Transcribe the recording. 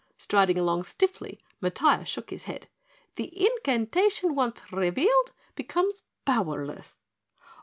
Striding along stiffly, Matiah shook his head. "The incantation once revealed becomes powerless.